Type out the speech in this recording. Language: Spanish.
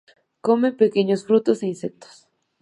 Comen pequeños frutos e insectos.